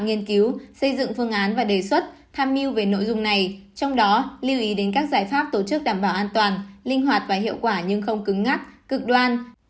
nghiên cứu xây dựng phương án và đề xuất tham mưu về nội dung này trong đó lưu ý đến các giải pháp tổ chức đảm bảo an toàn linh hoạt và hiệu quả nhưng không cứng ngắt cực đoan